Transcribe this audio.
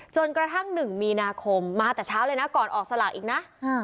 จนกระทั่ง๑มีนาคมมาแต่เช้าเลยนะก่อนออกสลากอีกนะ